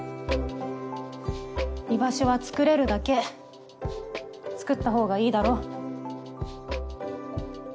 居場所は作れるだけ作った方がいいだろ。